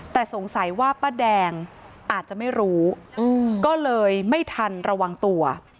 แต่สงสัยว่าป้าแดงอาจจะไม่รู้ก็เลยไม่ทันระวังตัว